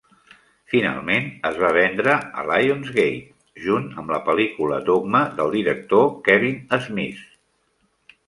Finalment, es va vendre a Lionsgate, junt amb la pel·lícula "Dogma" del director Kevin Smith.